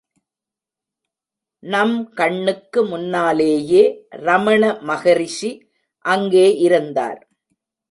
நம் கண்ணுக்கு முன்னாலேயே ரமண மகரிஷி அங்கே இருந்தார்.